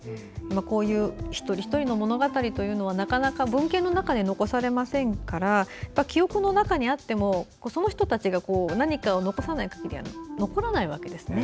こういう一人一人の物語というのはなかなか文芸の中で残されませんから記憶の中に合ってもその人たちが何かを残さない限りは残らないわけですね。